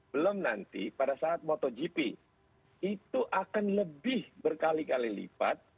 belum nanti pada saat motogp itu akan lebih berkali kali lipat